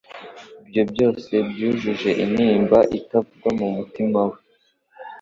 ibyo byose byujuje intimba itavugwa mu mutima we.